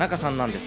です。